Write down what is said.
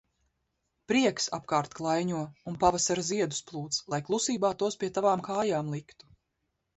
Prieks apkārt klaiņo un pavasara ziedus plūc, lai klusībā tos pie tavām kājām liktu.